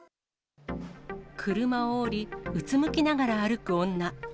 車を降り、うつむきながら歩く女。